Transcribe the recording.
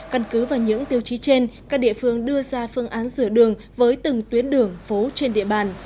căn cứ vào những tiêu chí trên các địa phương đưa ra phương án rửa đường với từng tuyến đường phố trên địa bàn